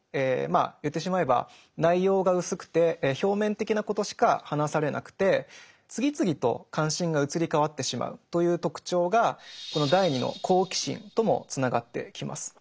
まあ言ってしまえば内容が薄くて表面的なことしか話されなくて次々と関心が移り変わってしまうという特徴がこの第２の「好奇心」ともつながってきます。